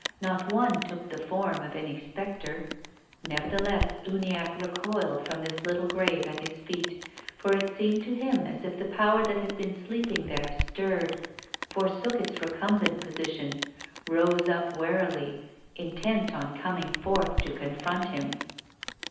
Not one took the form of any spectre. Neverthe less Uniacke recoiled from this Uttle grave at his feet, for it seemed to him as if the power that had been sleeping there stirred, forsook its recum bent position, rose up warily, intent on coming forth to confront him.